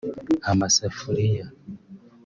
amasafuriya